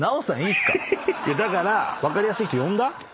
だから分かりやすい人呼んだ？